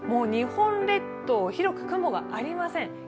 日本列島、広く雲がありません。